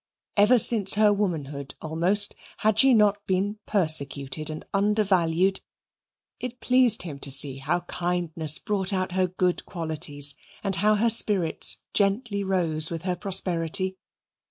Ever since her womanhood almost, had she not been persecuted and undervalued? It pleased him to see how kindness bought out her good qualities and how her spirits gently rose with her prosperity.